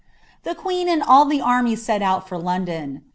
The queen and all the army set out for London.